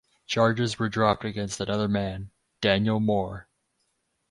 Charges were dropped against another man, Daniel Moore.